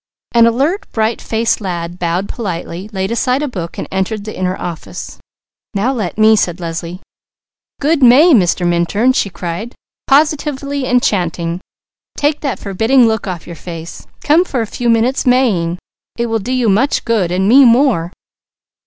An alert, bright faced lad bowed politely, laid aside a book and entered the inner office. "Now let me!" said Leslie. "Good May, Mr. Minturn!" she cried. "Positively enchanting! Take that forbidding look off your face. Come for a few minutes Maying! It will do you much good, and me more.